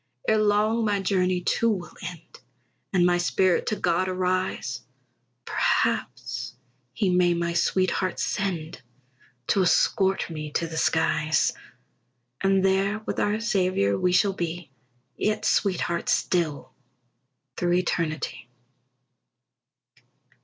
Ere long my journey, too, will end, And my spirit to God arise; Perhaps he may my sweetheart send To escort me to the skies; And there with our Saviour we shall be, Yet sweethearts still through eternity.